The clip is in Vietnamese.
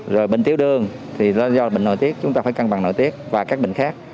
rồi bệnh tiểu đường thì do bệnh nội tiết chúng ta phải cân bằng nội tiết và các bệnh khác